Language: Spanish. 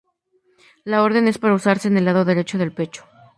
La orden es para usarse en el lado derecho del pecho.